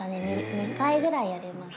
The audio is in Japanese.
２回くらいやりました。